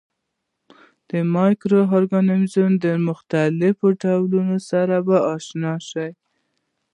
د مایکرو ارګانیزمونو د مختلفو ډولونو سره به آشنايي وشي.